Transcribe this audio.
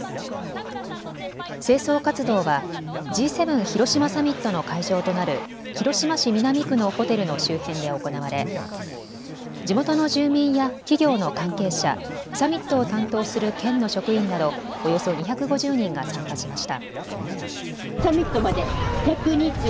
清掃活動はＧ７広島サミットの会場となる広島市南区のホテルの周辺で行われ地元の住民や企業の関係者、サミットを担当する県の職員などおよそ２５０人が参加しました。